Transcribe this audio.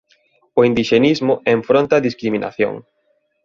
O indixenismo enfronta a discriminación.